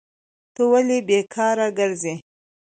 ته ولي بیکاره کرځي؟